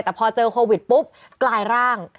แต่พอเจอโควิดปุ๊บกลายร่าง